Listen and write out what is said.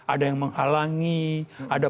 ada yang menghalangi ada